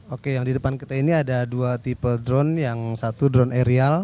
oke yang di depan kita ini ada dua tipe drone yang satu drone aerial